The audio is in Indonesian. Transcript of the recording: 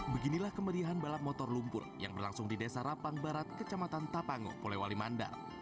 beginilah kemerihan balap motor lumpur yang berlangsung di desa rapang barat kecamatan tapango polewali mandar